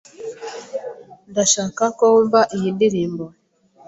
Ndashaka ko wumva iyi ndirimbo.